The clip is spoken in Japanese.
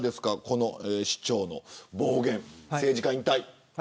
この市長の暴言、政治家引退。